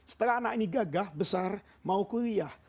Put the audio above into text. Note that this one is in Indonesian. setelah anak ini gagah besar mau kuliah